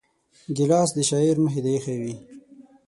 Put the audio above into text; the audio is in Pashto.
ګیلاس د شاعر مخې ته ایښی وي.